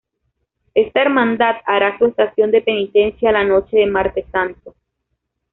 Esta Hermandad hará su estación de penitencia la noche de Marte Santo.